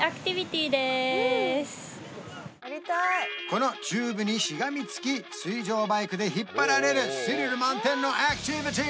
このチューブにしがみつき水上バイクで引っ張られるスリル満点のアクティビティ